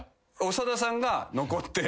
長田さんが残って。